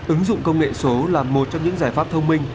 ứng dụng công nghệ số là một trong những giải pháp thông minh